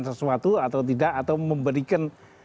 sesuatu atau tidak atau memberikan